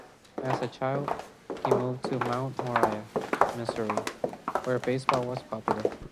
As a child, he moved to Mount Moriah, Missouri, where baseball was popular.